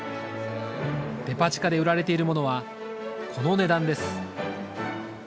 デパ地下で売られているものはこの値段です。